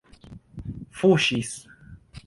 fuŝis